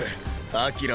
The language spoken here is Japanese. アキラ！